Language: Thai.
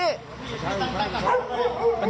มีสตางค์กับคน